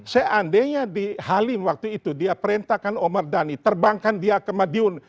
seandainya di halim waktu itu dia perintahkan omar dhani terbangkan dia ke madiun